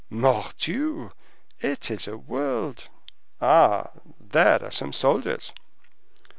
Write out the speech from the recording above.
"Mordioux! It is a world. Ah! there are some soldiers."